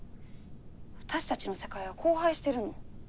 私たちの世界は荒廃してるの。